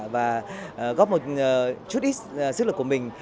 và góp một chút ít sức lực của mình